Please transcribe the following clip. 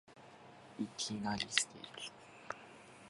いきなり